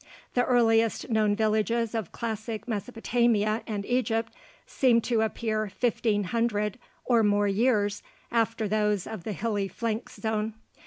The earliest known villages of classic Mesopotamia and Egypt seem to appear fifteen hundred or more years after those of the hilly flanks zone.